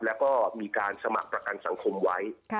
แล้วก็มีการสมัครประกันสังคมไว้